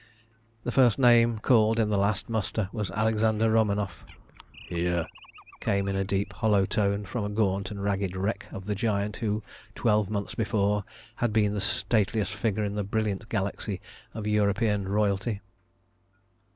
The first name called in the last muster was Alexander Romanoff. "Here," came in a deep hollow tone from the gaunt and ragged wreck of the giant who twelve months before had been the stateliest figure in the brilliant galaxy of European Royalty.